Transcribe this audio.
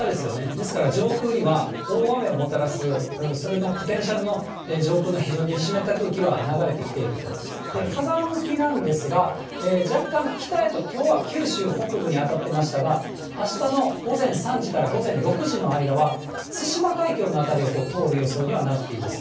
ですから、上空には大雨をもたらす、それのポテンシャルの上空の非常に湿った空気は流れてきていると。風向きなんですが、若干、北へと、きょうは九州北部に当たってましたが、あしたの午前３時から午前６時の間は、対馬海峡の辺りを通る予想にはなっております。